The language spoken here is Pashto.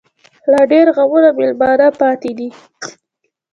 لا ډيـر غمـــــونه مېلـــمانه پــاتې دي